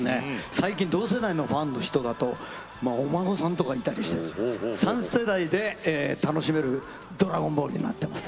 最近、同世代のファンの人だとお孫さんとかいたりして３世代で楽しめる「ドラゴンボール」になってます。